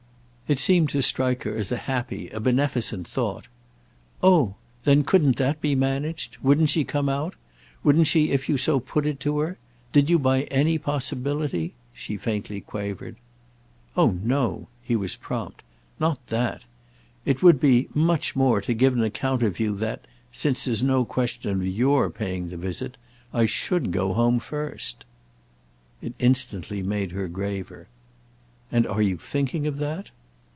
It seemed to strike her as a happy, a beneficent thought. "Oh then couldn't that be managed? Wouldn't she come out? Wouldn't she if you so put it to her? Did you by any possibility?" she faintly quavered. "Oh no"—he was prompt. "Not that. It would be, much more, to give an account of you that—since there's no question of your paying the visit—I should go home first." It instantly made her graver. "And are you thinking of that?"